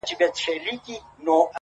ژوند څه دی پيل يې پر تا دی او پر تا ختم؛